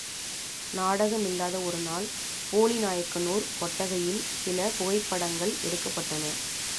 நாடகமில்லாத ஒருநாள், போலிநாயக்கனூர் கொட்டகையில் சில புகைப் படங்கள் எடுக்கப்பட்டன.